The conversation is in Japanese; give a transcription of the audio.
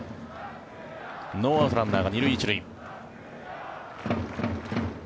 ノーアウトランナーが２塁１塁。